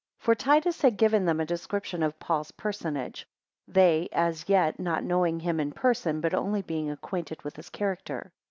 5 For Titus had given them a description of Paul's personage, they as yet not knowing him in person, but only being acquainted with his character.